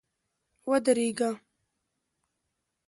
ودرېږه !